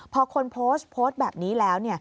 พอคนโพสต์แบบนี้แล้ว